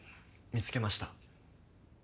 見つけました。